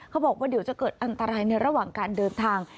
เขาบอกว่าเดี๋ยวจะเกิดอันตรายในระหว่างการเดินทาง